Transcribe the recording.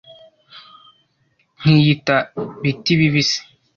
nkiyita biti bibisi